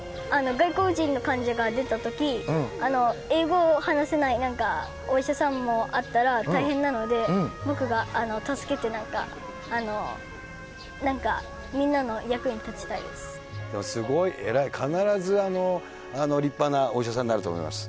外国人の患者が出たとき、英語を話せないお医者さんもあったら大変なので、僕が助けてなんでもすごい、えらい、必ず立派なお医者さんになると思います。